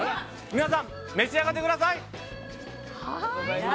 皆さん、召し上がってください！